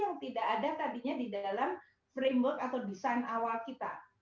yang tidak ada tadinya di dalam framework atau desain awal kita